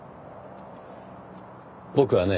僕はね